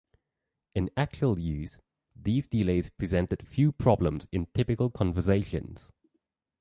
In actual use, these delays presented few problems in typical conversations.